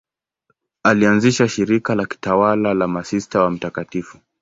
Alianzisha shirika la kitawa la Masista wa Mt.